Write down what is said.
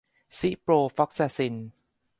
ซิโปรฟลอกซาซิน